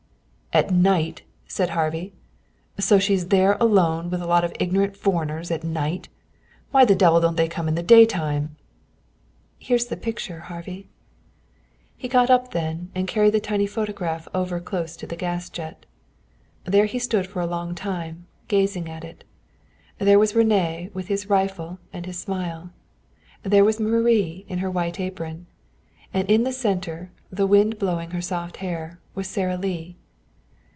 "At night!" said Harvey. "So she's there alone with a lot of ignorant foreigners at night. Why the devil don't they come in the daytime?" "Here's the picture, Harvey." He got up then, and carried the tiny photograph over close to the gas jet. There he stood for a long time, gazing at it. There was René with his rifle and his smile. There was Marie in her white apron. And in the center, the wind blowing her soft hair, was Sara Lee.